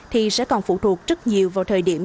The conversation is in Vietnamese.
thì sẽ còn phụ thuộc rất nhiều vào thời điểm